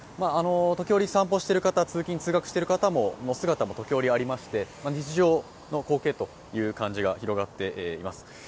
時折散歩している方、通勤・通学している方の姿もありまして、日常の光景という感じが広がっています。